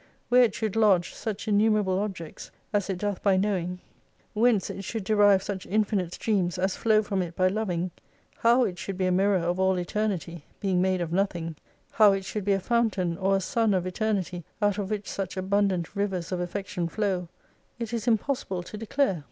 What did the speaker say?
Where it should lodge such innumerable objects, as it doth by knowing, whence it should derive such infinite streams as flow from it by Loving, how if should be a mirror of all Eternity, being made of nothing, how it should be a fountain or a sun of Eternity out of which such abundant rivers of affection flow, it is impossible to declare.